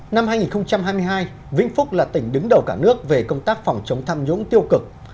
năm hai nghìn hai mươi hai vĩnh phúc là tỉnh đứng đầu cả nước về công tác phòng chống tham nhũng tiêu cực